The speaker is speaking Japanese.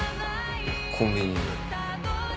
コンビニに。